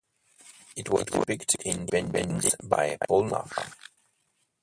It was depicted in paintings by Paul Nash.